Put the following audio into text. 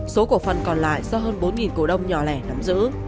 số cổ phần còn lại do hơn bốn cổ đông nhỏ lẻ nắm giữ